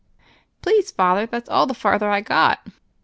"Please, Father, that's all the farther I got."